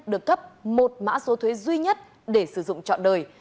được cấp một mã số thuế duy nhất để sử dụng trọn đời